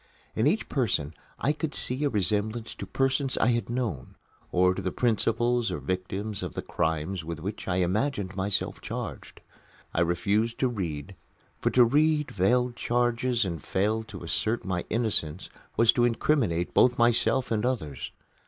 In each person I could see a resemblance to persons I had known, or to the principals or victims of the crimes with which I imagined myself charged. I refused to read; for to read veiled charges and fail to assert my innocence was to incriminate both myself and others.